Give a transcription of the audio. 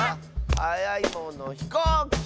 はやいものひこうき！